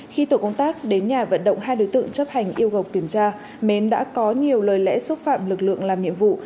khi tổ công tác đến nhà vận động hai đối tượng chấp hành yêu cầu kiểm tra mến đã có nhiều lời lẽ xúc phạm lực lượng làm nhiệm vụ